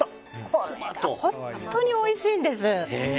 これが本当においしいんです。